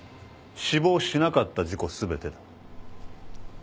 死亡しなかった事故全てだ。